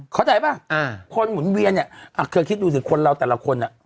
ขอใจไหมคนหมุนเวียนคือคิดดูสิคนเราแต่ละคน